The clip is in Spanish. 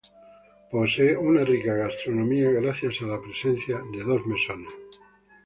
Posee una rica gastronomía gracias a la presencia de dos mesones.